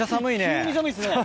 急に寒いっすね。